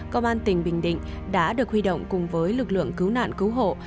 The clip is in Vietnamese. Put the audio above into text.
công an tỉnh bình định đã được huy động cùng với lực lượng cứu nạn cứu hộ